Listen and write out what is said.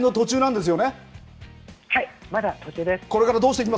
はい、まだ途中です。